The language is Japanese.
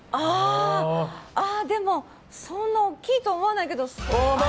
でもそんな大きいと思わないけど、○。